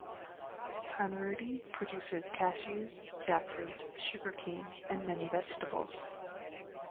Panruti produces cashews, jackfruit, sugar cane and many vegetables.